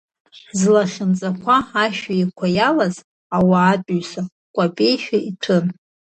Злахьынҵақәа ашәеиқәа иалаз ауаатәыҩса кәа-пеишәа иҭәын.